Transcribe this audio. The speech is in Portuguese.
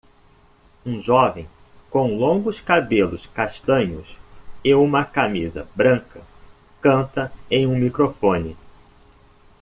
Um jovem com longos cabelos castanhos e uma camisa branca canta em um microfone